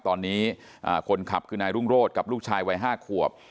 ตอนนี้คนขับคือนายรุ่งโรธกับลูกชายวัย๕ขวบ